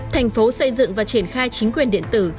thành phố xây dựng và triển khai chính quyền điện tử